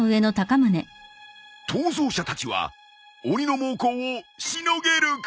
逃走者たちは鬼の猛攻をしのげるか！？